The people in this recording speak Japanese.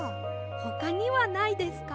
ほかにはないですか？